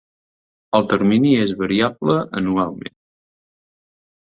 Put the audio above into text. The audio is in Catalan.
El termini és variable anualment.